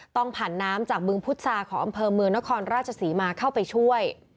ต้องผ่านน้ำจากบึงพุษาของอำเภอเมืองนครราชศรีมาเข้าไปช่วย